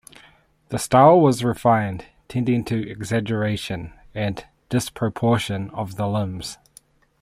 The style was refined, tending to exaggeration and disproportion of the limbs.